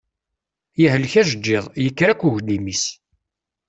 Yehlek ajeǧǧiḍ, yekker akk uglim-is.